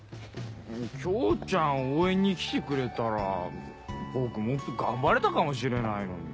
京ちゃん応援に来てくれたら僕もっと頑張れたかもしれないのに。